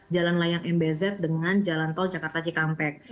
jalan layang mbz dengan jalan tol jakarta cikampek